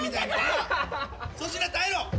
粗品耐えろ！